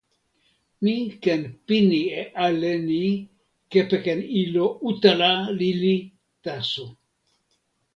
mi ken pini e ale ni kepeken ilo utala lili taso.